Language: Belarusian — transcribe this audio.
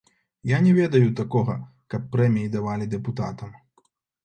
Я не ведаю такога, каб прэміі давалі дэпутатам.